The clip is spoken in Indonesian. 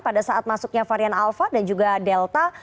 pada saat masuknya varian alpha dan juga delta